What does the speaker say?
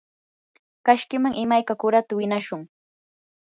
kashkiman imayka qurata winashun.